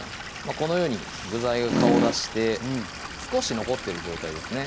このように具材が顔出して少し残ってる状態ですね